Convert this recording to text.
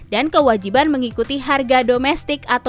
dan kewajiban mengikuti harga domestik dan dmo